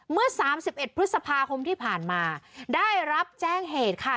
เมื่อสามสิบเอ็ดพฤษภาคมที่ผ่านมาได้รับแจ้งเหตุค่ะ